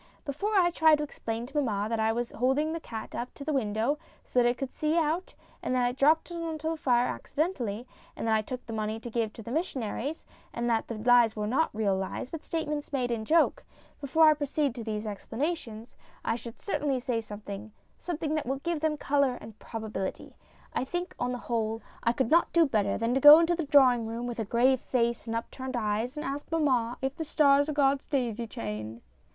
Before I try to explain to mamma that I was holding the cat up to the window so that it could see out, and that it dropped on the fire accidentally, and that I took the money to give to the missionaries, and that the lies were not real lies, but statements made in joke before I proceed to these explanations, I 268 STORIES IN GREY should certainly say something, something that will give them colour and probability. I think, on the whole, I could not do better than go into the draw ing room with a grave face and upturned eyes and ask mamma if the stars are God's daisy chain.